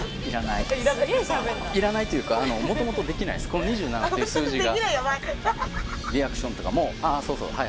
この２７っていう数字が。